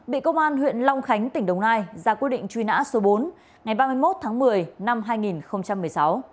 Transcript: bị công an huyện long khánh tỉnh đồng nai ra quyết định truy nã số bốn ngày ba mươi một tháng một mươi năm hai nghìn một mươi sáu